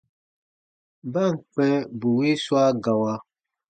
Ba ǹ kpɛ̃ bù wii swa gawa,